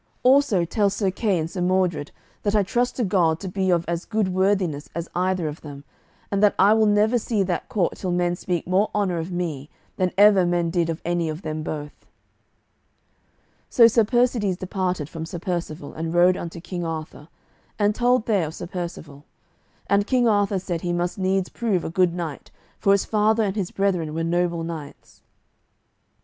Also tell Sir Kay and Sir Mordred that I trust to God to be of as good worthiness as either of them, and that I will never see that court till men speak more honour of me than ever men did of any of them both." So Sir Persides departed from Sir Percivale, and rode unto King Arthur, and told there of Sir Percivale. And King Arthur said he must needs prove a good knight, for his father and his brethren were noble knights.